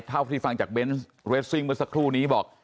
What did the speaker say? พิธีฟังจากเบนส์เบนส์สวิงบนสักครู่นี้บอก